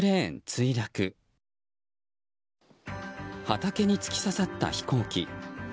畑に突き刺さった飛行機。